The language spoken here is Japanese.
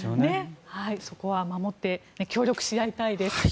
そこは守って協力し合いたいです。